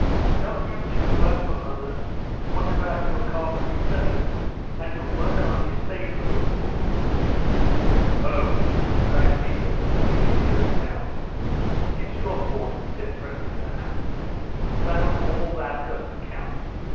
"Don't you too work for others? What about your co operative settlement, and your work on the estate, and your book?..." "Oh, but I feel, and particularly just now—it's your fault," he said, pressing her hand—"that all that doesn't count.